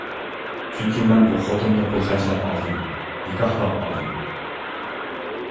چۈنكى مەن بۇ خوتۇننى پۇل خەجلەپ ئالدىم، نىكاھلاپ ئالدىم.